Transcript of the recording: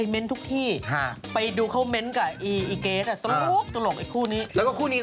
ไม่เป็นคู่นี้